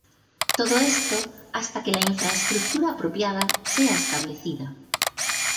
Todo esto hasta que la infraestructura apropiada sea establecida.